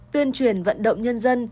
tuyên truyền vận động nhân dân